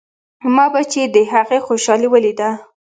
ما به چې د هغې خوشالي وليده.